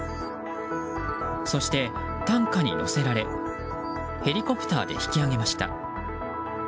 そして、担架に乗せられヘリコプターで引き揚げました。